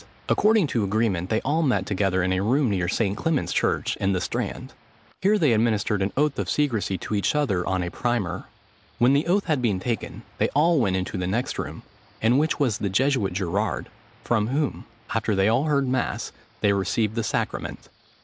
According to agreement they all met together in a room near St. Clement's church, in the Strand. Here they administered an oath of secresy to each other on a Primer. When the oath had been taken, they all went into the next room, in which was the Jesuit Gerard, from whom, after they had heard mass, they received the sacrament.